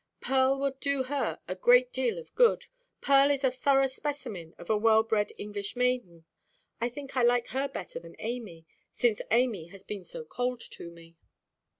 Pearl would do her a great deal of good. Pearl is a thorough specimen of a well–bred English maiden. I think I like her better than Amy—since Amy has been so cold to me."